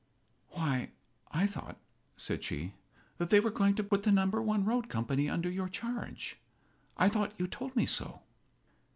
"Why, I thought," said she, "that they were going to put the Number One road company under your charge. I thought you told me so."